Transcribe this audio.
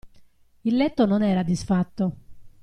Il letto non era disfatto.